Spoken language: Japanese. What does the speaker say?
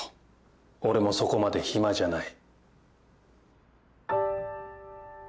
俺もそこまで暇じゃない。